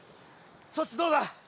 そっちどうだ？